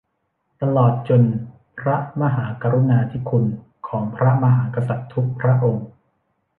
ตลอดจนพระมหากรุณาธิคุณของพระมหากษัตริย์ทุกพระองค์